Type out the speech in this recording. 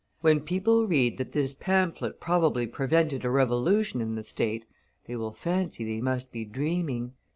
When people read that this pamphlet probably prevented a revolution in the state, they will fancy they must be dreaming."